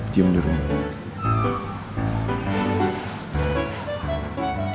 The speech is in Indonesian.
diem di rumah